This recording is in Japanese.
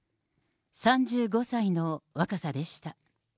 ３５歳の若さでした。